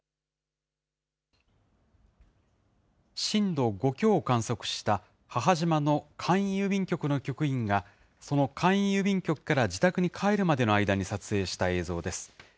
震度５強を観測した母島の簡易郵便局の局員が、その簡易郵便局から自宅に帰るまでの間に撮影した映像です。